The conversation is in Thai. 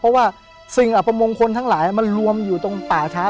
เพราะว่าสิ่งอัปมงคลทั้งหลายมันรวมอยู่ตรงป่าช้า